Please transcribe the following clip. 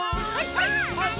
はいはい。